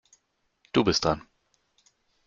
Du bist dran.